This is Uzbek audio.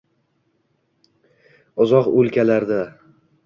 Uzoq o’lkalarda